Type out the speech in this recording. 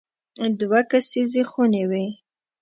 دوه کسیزې خونې وې.